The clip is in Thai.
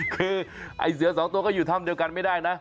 คือไอ้เสือสองตัวก็อยู่ถ้ำเดียวกันไม่ได้นะ